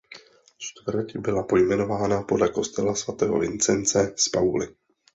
Čtvrť byla pojmenována podle kostela svatého Vincence z Pauly.